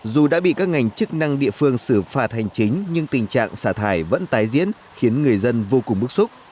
dù đã bị các ngành chức năng địa phương xử phạt hành chính nhưng tình trạng xả thải vẫn tái diễn khiến người dân vô cùng bức xúc